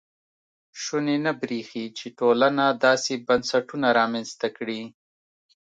شونې نه برېښي چې ټولنه داسې بنسټونه رامنځته کړي.